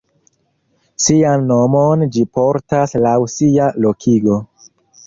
Sian nomon ĝi portas laŭ sia lokigo.